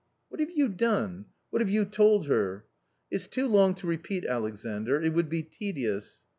" What have you done ? What have you told her ?" "It's too long to repeat, Alexandr; it would be tedious."